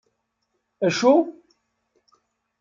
Acu?